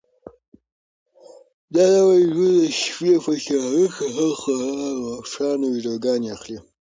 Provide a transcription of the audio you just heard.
دا نوی ډرون د شپې په تیاره کې هم خورا روښانه ویډیوګانې اخلي.